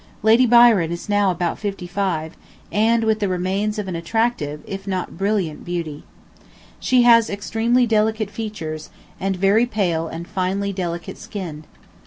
Lady Byron is now about fifty five, and with the remains of an attractive, if not brilliant beauty. She has extremely delicate features, and very pale and finely delicate skin.